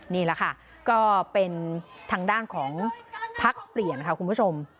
นี่แหละค่ะก็เป็นทางด้านของพักเปลี่ยนค่ะคุณผู้ชม